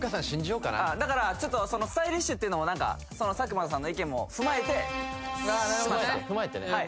信じようかなだからちょっとスタイリッシュっていうのも何かその佐久間さんの意見も踏まえてああなるほどね